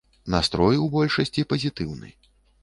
Настрой у большасці пазітыўны.